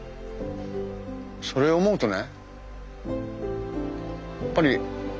それを思うとね